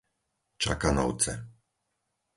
Čakanovce